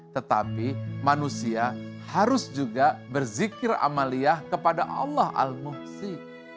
tetapi manusia harus juga berzikir amaliyah kepada allah al muhsi